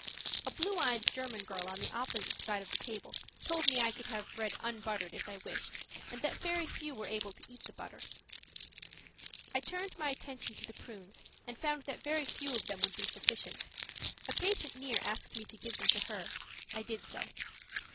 A blue eyed German girl on the opposite side of the table told me I could have bread unbuttered if I wished, and that very few were able to eat the butter. I turned my attention to the prunes and found that very few of them would be sufficient. A patient near asked me to give them to her. I did so.